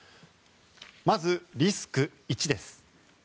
まずリスク１です。